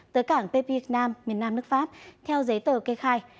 tới cảng pp nam miền nam nước pháp theo giấy tờ kê khai